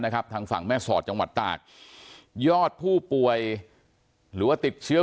ทางฝั่งแม่สอดจังหวัดตากยอดผู้ป่วยหรือว่าติดเชื้อ